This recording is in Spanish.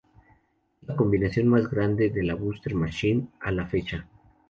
Es la combinación más grande de la Buster Machine a la fecha.